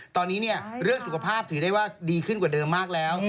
ตอนนี้เนี่ยเรื่องสุขภาพถือได้ว่าดีขึ้นกว่าเดิมมากแล้ว